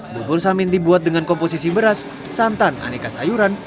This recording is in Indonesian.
bubur samin dibuat dengan komposisi beras santan aneka sayuran